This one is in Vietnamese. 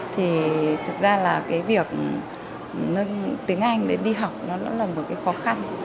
thì thực ra là cái việc tiếng anh để đi học nó rất là một cái khó khăn